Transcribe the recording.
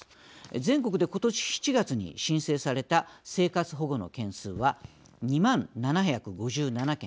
全国でことし７月に申請された生活保護の件数は２万７５７件。